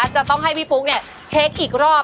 จะต้องให้พี่ปุ๊กเช็คอีกรอบ